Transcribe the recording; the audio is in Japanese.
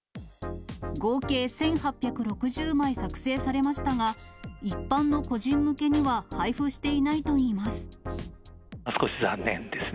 合計１８６０枚作製されましたが、一般の個人向けには配布していないといいます。